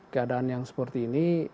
keadaan yang seperti ini